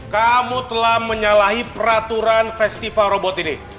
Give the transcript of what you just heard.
kamu telah menyalahi peraturan festival robot ini